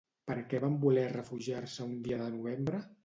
Per què van voler refugiar-se un dia de novembre?